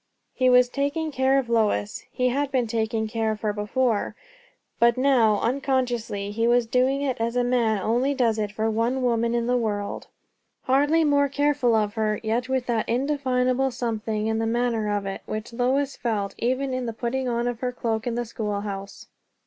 He was taking care of Lois; he had been taking care of her before; but now, unconsciously, he was doing it as a man only does it for one woman in the world. Hardly more careful of her, yet with that indefinable something in the manner of it, which Lois felt even in the putting on of her cloak in the schoolhouse.